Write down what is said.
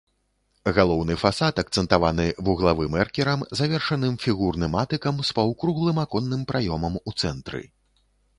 Галоўны фасад акцэнтаваны вуглавым эркерам, завершаным фігурным атыкам з паўкруглым аконным праёмам у цэнтры.